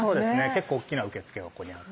結構大きな受付がここにあって。